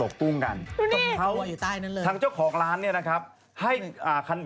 กุ้งมันไม่กิน